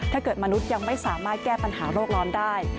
ถ้าเกิดมนุษย์ยังไม่สามารถแก้ปัญหาโรคร้อนได้